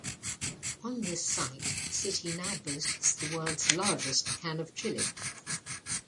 On this site the city now boasts the world's largest can of chili.